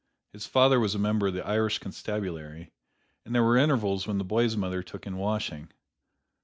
His father was a member of the Irish Constabulary, and there were intervals when the boy's mother took in washing.